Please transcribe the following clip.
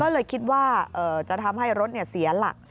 ก็เลยคิดว่าจะทำให้รถเสียหลัก